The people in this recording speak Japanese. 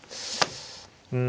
うん。